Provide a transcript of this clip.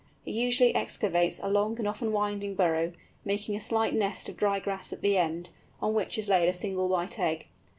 It usually excavates a long and often winding burrow, making a slight nest of dry grass at the end, on which is laid a single white egg.